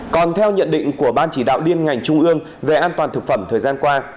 còn theo nhận định của ban chỉ đạo liên ngành trung ương về an toàn thực phẩm thời gian qua